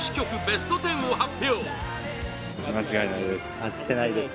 ベスト１０を発表！